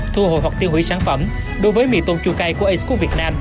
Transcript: thu hồi hoặc tiêu hủy sản phẩm đối với mì tôm chua cay của acecook việt nam